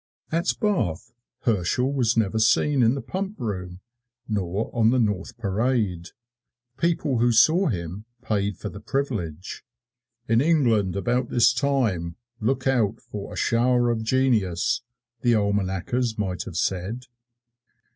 At Bath, Herschel was never seen in the Pump Room, nor on the North Parade. People who saw him paid for the privilege. "In England about this time look out for a shower of genius," the almanackers might have said.